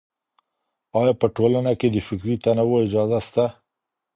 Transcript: آيا په ټولنه کي د فکري تنوع اجازه سته؟